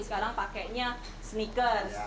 sekarang pakainya sneakers